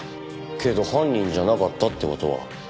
けど犯人じゃなかったって事は。